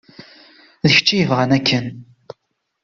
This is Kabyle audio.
D kečč i yebɣan akken.